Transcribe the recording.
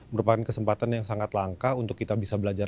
merupakan kesempatan yang sangat langka untuk kita bisa belajar